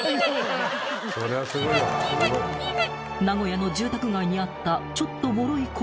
［名古屋の住宅街にあったちょっとぼろい